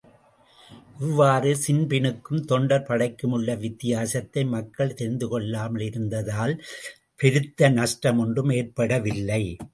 இவ்வாறு ஸின்பினுக்கும் தொண்டர் படைக்குமுள்ள வித்தியாசத்தை மக்கள் தெரிந்துகொள்ளாமலிருந்ததால், பெருத்த நஷ்டமொன்றும் ஏற்பட்டுவிடவில்லை.